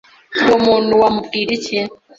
uwo muntu wamubwira iki